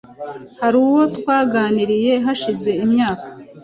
Hari uwo twaganiriye, hashize imyaka